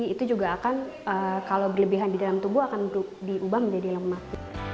itu juga akan kalau berlebihan di dalam tubuh akan diubah menjadi lemak